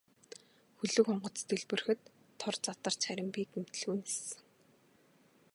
Хөлөг онгоц дэлбэрэхэд тор задарч харин би гэмтэлгүй ниссэн.